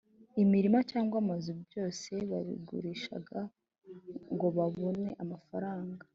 Imirima cyangwa amazu byose babigurishaga go babone amafaranga